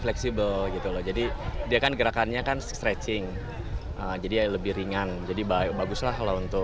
fleksibel gitu loh jadi dia kan gerakannya kan stretching jadi lebih ringan jadi baik baguslah kalau untuk